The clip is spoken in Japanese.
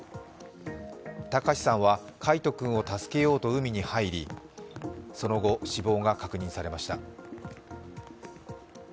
隆さんは櫂斗君を助けようと海に入りその後、死亡が確認されました。